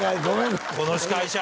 この司会者！